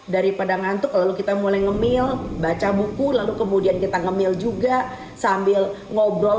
daripada ngantuk lalu kita mulai ngemil baca buku lalu kemudian kita ngemil juga sambil ngobrol